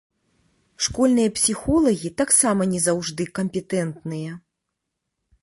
Школьныя псіхолагі таксама не заўжды кампетэнтныя.